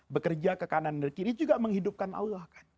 bekerja ke kanan dan kiri juga menghidupkan allah kan